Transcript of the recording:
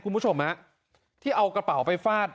คุณผู้ชมฮะที่เอากระเป๋าไปฟาด